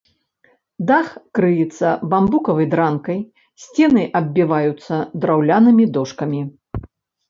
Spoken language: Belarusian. Дах крыецца бамбукавай дранкай, сцены аббіваюцца драўлянымі дошкамі.